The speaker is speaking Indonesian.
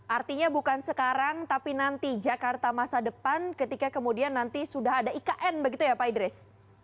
artinya bukan sekarang tapi nanti jakarta masa depan ketika kemudian nanti sudah ada ikn begitu ya pak idris